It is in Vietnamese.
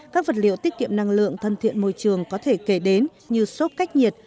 các vật liệu tiết kiệm năng lượng thân thiện môi trường có thể kể đến như sốt cách nhiệt